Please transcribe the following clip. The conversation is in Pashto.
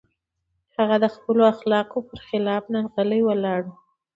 هغه د خپلو اخلاقو پر خلاف نن غلی ولاړ و.